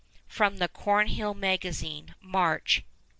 (From the Cornhill Magazine, March 1868.)